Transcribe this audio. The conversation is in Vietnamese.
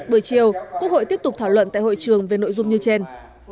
bữa chiều quốc hội tiếp tục thảo luận tại hội trường về nội dung như trên